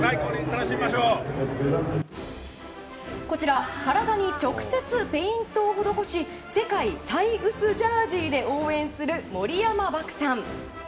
こちら体に直接ペイントを施し世界最薄ジャージーで応援する森山獏さん。